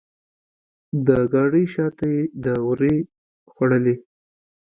د ګاډۍ شاته یې دورې خوړلې.